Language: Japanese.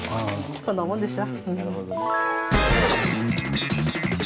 こんなもんでしょ。